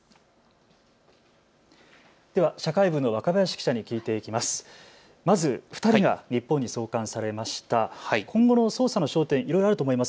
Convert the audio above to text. では社会部の若林記者に聞いていきます。